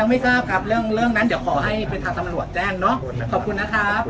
ไม่ทราบครับเรื่องนั้นเดี๋ยวขอให้ไปทางตำรวจแจ้งเนาะขอบคุณนะครับ